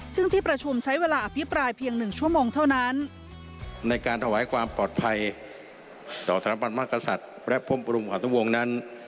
ซึ่งที่ประชุมใช้เวลาอภิปรายเพียง๑ชั่วโมงเท่านั้น